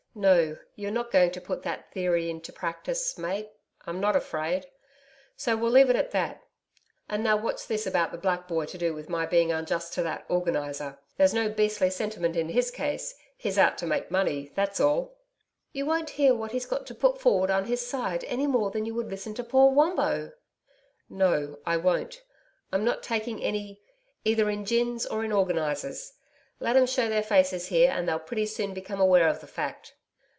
'No, you're not going to put that theory into practice, Mate.... I'm not afraid. So we'll leave it at that. And now what's this about the black boy to do with my being unjust to that Organiser? There's no beastly sentiment in his case. He's out to make money, that's all.' 'You won't hear what he's got to put forward on his side any more than you would listen to poor Wombo.' 'No, I won't. I'm not taking any either in gins or in organisers. Let 'em show their faces here, and they'll pretty soon become aware of the fact.'